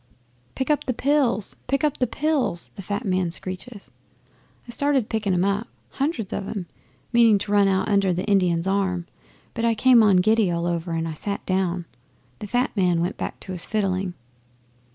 '"Pick up the pills! Pick up the pills!" the fat man screeches. 'I started picking 'em up hundreds of 'em meaning to run out under the Indian's arm, but I came on giddy all over and I sat down. The fat man went back to his fiddling.